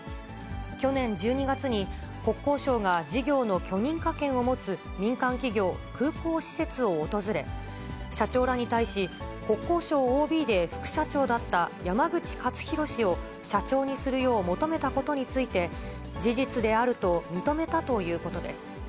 去年１２月に、国交省が事業の許認可権を持つ民間企業、空港施設を訪れ、社長らに対し、国交省ＯＢで副社長だった山口勝弘氏を社長にするよう求めたことについて、事実であると認めたということです。